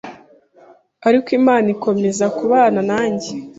ariko Imana ikomeza kubana nanjye